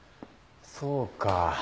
そうか。